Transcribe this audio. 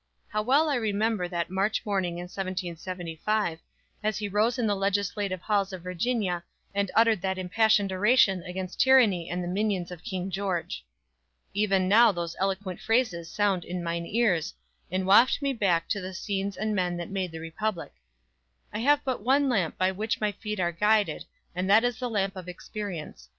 How well I remember that March morning in 1775, as he rose in the legislative halls of Virginia, and uttered that impassioned oration against tyranny and the minions of King George. Even now those eloquent phrases sound in mine ears, and waft me back to the scenes and men that made the Republic: "I have but one lamp by which my feet are guided, and that is the lamp of experience.